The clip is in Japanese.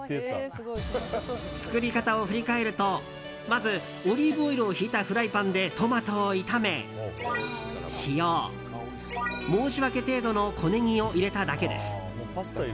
作り方を振り返るとまずオリーブオイルをひいたフライパンでトマトを炒め塩、申し訳程度の小ネギを入れただけです。